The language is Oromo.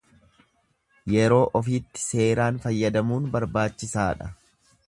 Yeroo ofiitti seeraan fayyadamuun barbaachisaadha.